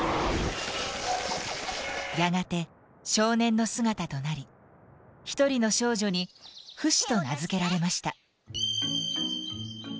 やがて少年の姿となりひとりの少女に「フシ」と名付けられました。